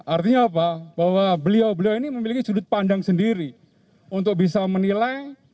artinya apa bahwa beliau beliau ini memiliki sudut pandang sendiri untuk bisa menilai